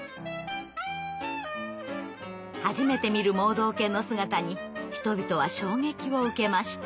初めて見る盲導犬の姿に人々は衝撃を受けました。